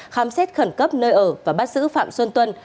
khám xét khẩn cấp nơi ở và bắt giữ phạm xuân tuân